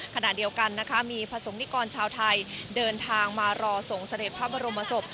ขณะเดียวกันนะคะมีประสงค์นิกรชาวไทยเดินทางมารอส่งเสด็จพระบรมศพ